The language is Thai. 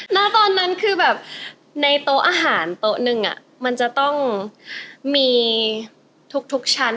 แล้วตอนนั้นคือในโต๊ะอาหารต้อนึงอ่ะมันจะต้องมีทุกชั้น